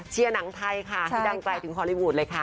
เชียร์หนังไทยค่ะให้ดังใจถึงฮอลลี่วูดเลยค่ะ